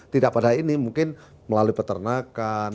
tidak pada ini mungkin melalui peternakan